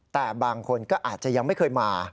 แต่บางคนก็อาจจะยังไม่เคยมา